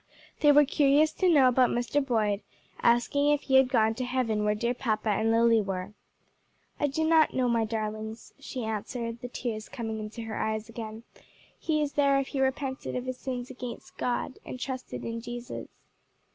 They were curious to know about Mr. Boyd, asking if he had gone to heaven where dear papa and Lily were. "I do not know, my darlings," she answered, the tears coming into her eyes again; "he is there if he repented of his sins against God, and trusted in Jesus."